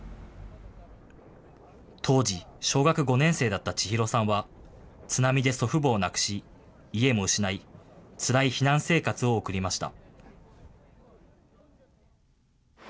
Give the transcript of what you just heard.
当時、小学５年生だった千裕さんは、津波で祖父母を亡くし、家も失い、つらい避難生活を送りました。